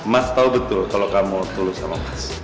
mas tahu betul kalau kamu tulus sama mas